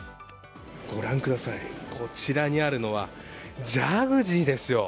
ご覧ください、こちらにあるのはジャグジーですよ。